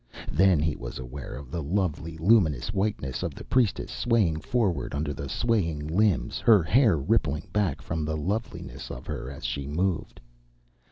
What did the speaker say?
Then he was aware of the lovely, luminous whiteness of the priestess swaying forward under the swaying limbs, her hair rippling back from the loveliness of her as she moved.